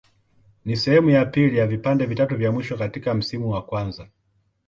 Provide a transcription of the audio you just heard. Ni sehemu ya pili ya vipande vitatu vya mwisho katika msimu wa kwanza.